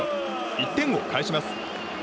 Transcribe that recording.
１点を返します。